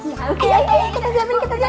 kita siapin dulu ya bu